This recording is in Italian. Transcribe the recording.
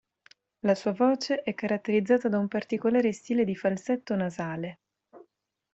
La sua voce è caratterizzata da un particolare stile di falsetto nasale.